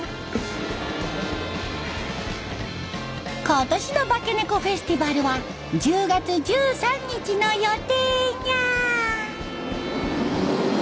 今年の化け猫フェスティバルは１０月１３日の予定ニャー。